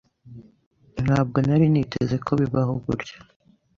Ntabwo nari niteze ko bibaho gutya.